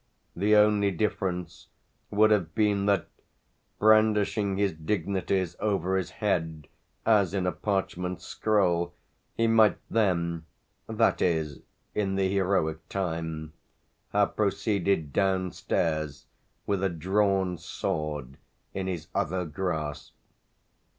The only difference would have been that, brandishing his dignities over his head as in a parchment scroll, he might then that is in the heroic time have proceeded downstairs with a drawn sword in his other grasp.